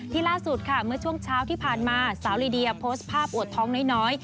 ล่าสุดค่ะเมื่อช่วงเช้าที่ผ่านมาสาวลีเดียโพสต์ภาพอวดท้องน้อย